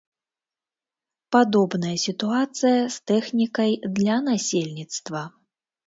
Падобная сітуацыя з тэхнікай для насельніцтва.